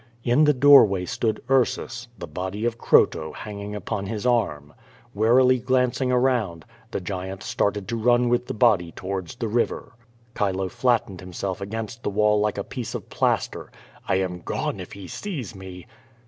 In the doorway stood Ursus, the body of Croto hanging on his arm. Warily glancing around, the giant started to run with the l)ody towards the river. Chilo flattened himself against the wall like a piece of plaster. "I am gone if lie sees me."